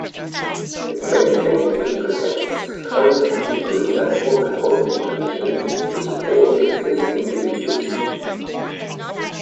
It maintains and protects current uses and water quality conditions to support existing uses.